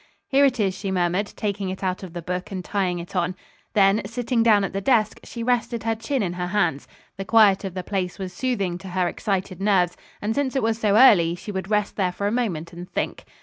"Here it is," she murmured, taking it out of the book and tying it on. Then, sitting down at the desk, she rested her chin in her hands. The quiet of the place was soothing to her excited nerves, and since it was so early she would rest there for a moment and think.